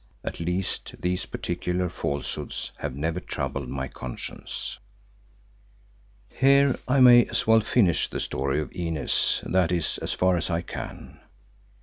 At least these particular falsehoods have never troubled my conscience. Here I may as well finish the story of Inez, that is, as far as I can.